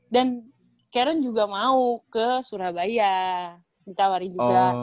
dan keren juga mau ke surabaya ditawarin juga